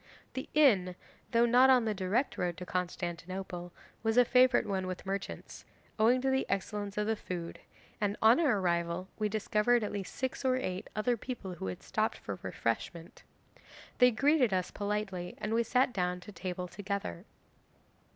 'The inn, though not on the direct road to Constantinople, was a favourite one with merchants, owing to the excellence of the food, and on our arrival we discovered at least six or eight other people who had stopped for refreshment. They greeted us politely, and we sat down to table together.